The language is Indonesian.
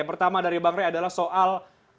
yang pertama dari bang ray adalah soal